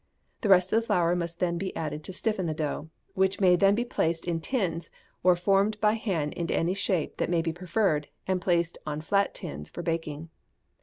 The rest of the flour must then be added to stiffen the dough, which may then be placed in tins or formed by the hand into any shape that may be preferred and placed on flat tins for baking.